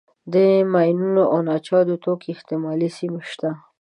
د ماینونو او ناچاودو توکو احتمالي سیمې شته.